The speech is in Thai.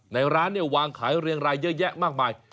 ในร้านเนี่ยวางขายเรียงรายเยอะแยะมากมาย